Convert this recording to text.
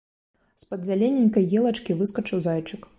З-пад зялёненькай елачкі выскачыў зайчык.